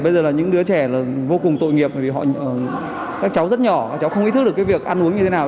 bây giờ là những đứa trẻ vô cùng tội nghiệp vì các cháu rất nhỏ các cháu không ý thức được cái việc ăn uống như thế nào